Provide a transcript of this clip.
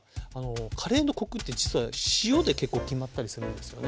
カレーのコクって実は塩で結構決まったりするんですよね。